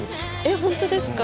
えっ本当ですか。